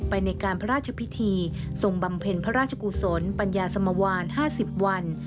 ในการพระราชพิธีทรงบำเพ็ญพระราชกุศลปัญญาสมวาน๕๐วัน